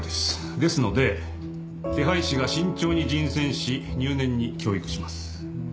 ですので「手配師」が慎重に人選し入念に教育します。